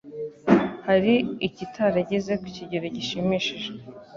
hari ikitarageze ku kigero gishimishije